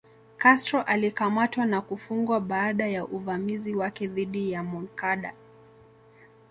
Castro alikamatwa na kufungwa baada ya uvamizi wake dhidi ya Moncada